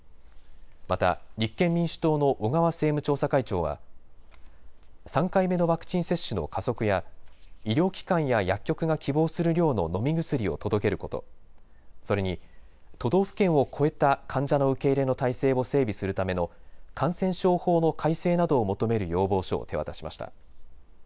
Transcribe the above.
また立憲民主党の小川政務調査会長は３回目のワクチン接種の加速や医療機関や薬局が希望する量の飲み薬を届けること、それに都道府県を越えた患者の受け入れの体制を整備するための感染症法の改正などを求める要望書を手渡しました。